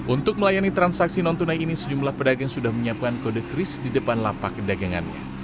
untuk melayani transaksi non tunai ini sejumlah pedagang sudah menyiapkan kode kris di depan lapak dagangannya